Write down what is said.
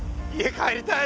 帰りたい！